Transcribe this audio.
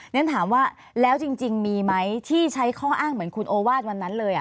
ฉันถามว่าแล้วจริงมีไหมที่ใช้ข้ออ้างเหมือนคุณโอวาสวันนั้นเลย